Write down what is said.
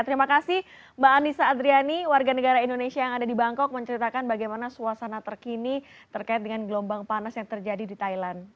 terima kasih mbak anissa adriani warga negara indonesia yang ada di bangkok menceritakan bagaimana suasana terkini terkait dengan gelombang panas yang terjadi di thailand